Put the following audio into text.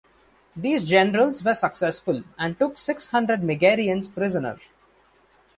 These generals were successful and took six hundred Megarians prisoner.